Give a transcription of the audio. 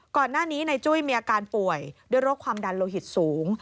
ก่อนหน้านี้ในจุ้ยมีอาการป่วยด้วยโรคความดันโลหิตสูง